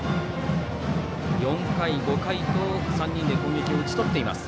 ４回、５回と３人で攻撃を打ち取っています。